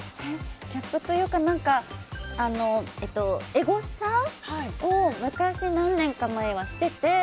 ギャップというかエゴサを何年か前はしてて。